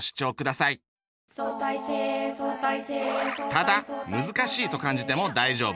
ただ難しいと感じても大丈夫。